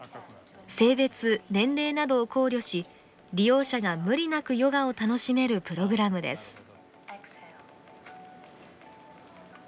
性別年齢などを考慮し利用者が無理なくヨガを楽しめるプログラムです。